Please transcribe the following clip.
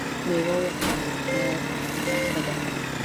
مېوه وخوره ! روغتیا ته ښه ده .